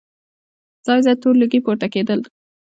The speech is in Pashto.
ځای ځای تور لوګي پورته کېدل.